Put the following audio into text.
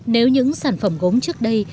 nếu những sản phẩm gốm trước đây